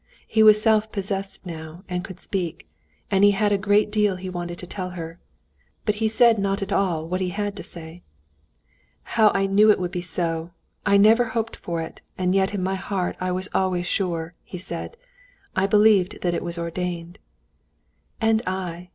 He was self possessed now and could speak, and he had a great deal he wanted to tell her. But he said not at all what he had to say. "How I knew it would be so! I never hoped for it; and yet in my heart I was always sure," he said. "I believe that it was ordained." "And I!"